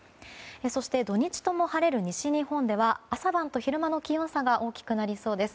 そして土日ともに晴れる西日本では朝晩と昼の気温差が大きくなりそうです。